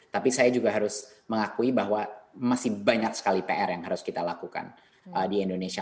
tapi saya juga harus mengakui bahwa masih banyak sekali pr yang harus kita lakukan di indonesia